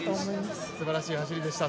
すばらしい走りでした。